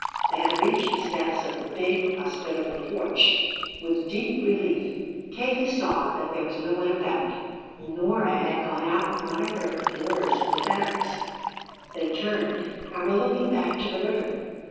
They had reached the steps of the big, hospitable porch. With deep relief Katie saw that there was no one about. Nora had gone out with one of her adorers from the barracks. They turned, and were looking back to the river.